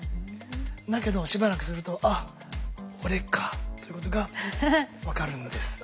だけどしばらくすると「あっ俺か」ということが分かるんです。